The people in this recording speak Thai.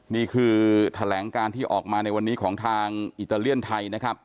นี่คือแถลงการที่ออกมาในวันนี้ของทางอิตาเลียนไทยนะครับ